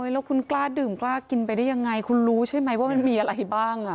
แล้วคุณกล้าดื่มกล้ากินไปได้ยังไงคุณรู้ใช่ไหมว่ามันมีอะไรบ้าง